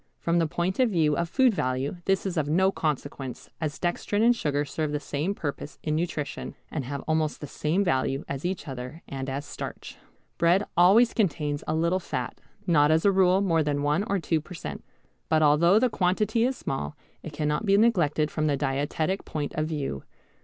From the point of view of food value this is of no consequence, as dextrin and sugar serve the same purpose in nutrition, and have almost the same value as each other and as starch. Bread always contains a little fat, not as a rule more that one or two per cent. But although the quantity is small it cannot be neglected from the dietetic point of view.